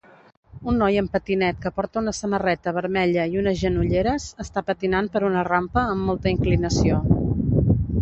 Un noi en patinet que porta una samarreta vermella i unes genolleres està patinant per una rampa amb molta inclinació.